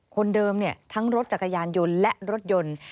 คนเดิมทั้งรถจักรยานยนต์และรถยนต์